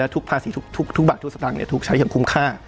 ทุกบาททุกสตรังตรุยังคุ้มค่า